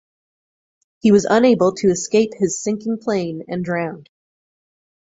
He was unable to escape his sinking plane and drowned.